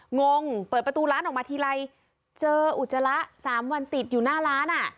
งงเปิดประตูร้านออกมาทีไรเจออุจจาระ๓วันติดอยู่หน้าร้านอ่ะ